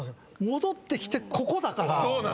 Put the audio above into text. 戻ってきてここだから。